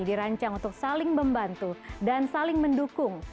dirancang untuk saling membantu dan saling mendukung